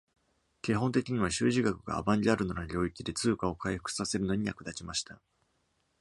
基本的には、修辞学がアバンギャルドな領域で通貨を回復させるのに役立ちました。